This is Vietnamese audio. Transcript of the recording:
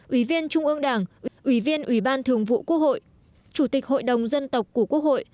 ủy viên trung ương đảng ủy viên ủy ban thường vụ quốc hội chủ tịch hội đồng dân tộc của quốc hội